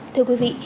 thưa quý vị